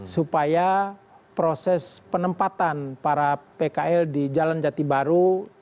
supaya proses penempatan para pkl di jalan jati baru